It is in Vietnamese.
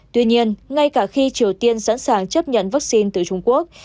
tuy nhiên ngay cả khi triều tiên sẵn sàng chấp nhận vaccine từ trung quốc